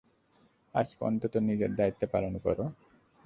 আজকে অন্তত নিজের দায়িত্ব পালন করো!